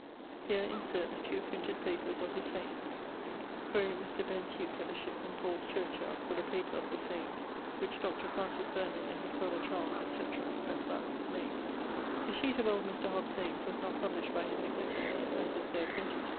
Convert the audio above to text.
Here insert the two printed papers of his sayings. Quaere Mr. Ben. Tuke at the Ship in Paule's Church yard for the paper of his sayings, which Dr. Francis Bernard and his brother Charles, etc. a club made. The sheet of old Mr. Hobbes sayings was not published by his executor, as is there printed.